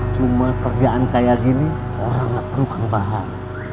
cuma kerjaan kaya gini orang gak perlukan bahan